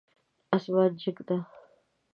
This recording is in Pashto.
اسمان جګ ده